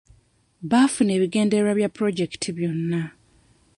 Baafuna ebigendererwa bya pulojekiti byonna.